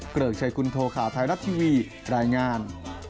เกริกชัยกุณโทข่าวไทยรัฐทีวีรายงาน